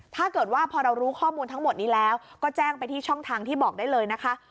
ถ้าเกิดว่าพอเรารู้ข้อมูลทั้งหมดนี้แล้วก็แจ้งไปที่ช่องทางที่บอกได้เลยนะคะ